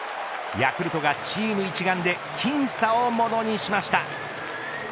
ヤクルトがチーム一丸で僅差をものにしました。